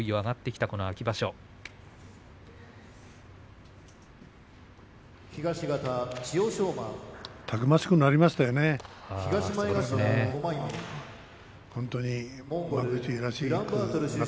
たくましくなりましたよね、本当に。